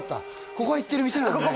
ここは行ってる店なんだね